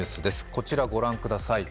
こちらご覧ください。